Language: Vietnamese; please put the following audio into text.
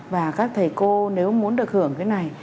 và các thầy cô nếu muốn được hưởng cái này